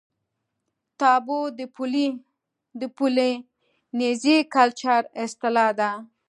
تابو د پولي نیزي کلچر اصطلاح ده.